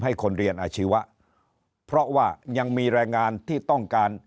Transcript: คนเรียนอาชีวะเพราะว่ายังมีแรงงานที่ต้องการ